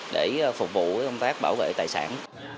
để phục vụ công tác bảo vệ tài sản